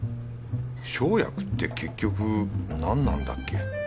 生薬って結局なんなんだっけ？